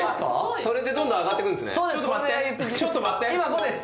それでどんどん上がってくそうです